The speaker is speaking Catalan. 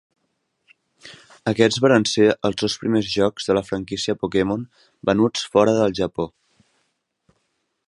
Aquests varen ser els dos primers jocs de la franquícia Pokémon venuts fora del Japó.